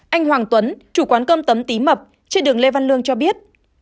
anh hoàng tuấn chủ quán cơm tấm tý mập trên đường lê văn lương cho biết